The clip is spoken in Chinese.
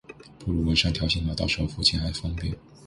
不如纹上条形码，到时候付钱还方便